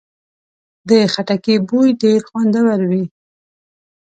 د خټکي بوی ډېر خوندور وي.